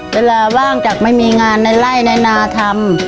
เวลาว่างจากไม่มีงานในไล่ในนาทำ